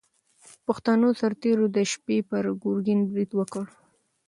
پښتنو سرتېرو د شپې پر ګورګین برید وکړ.